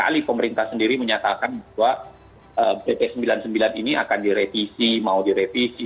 kali pemerintah sendiri menyatakan bahwa pp sembilan puluh sembilan ini akan direvisi mau direvisi